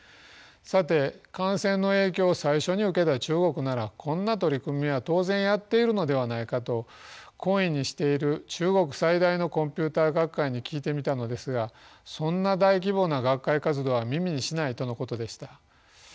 さて感染の影響を最初に受けた中国ならこんな取り組みは当然やっているのではないかと懇意にしている中国最大のコンピュータ学会に聞いてみたのですがそんな大規模な学会活動は耳にしないとのことでした。